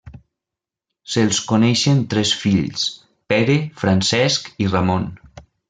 Se'ls coneixen tres fills Pere, Francesc i Ramon.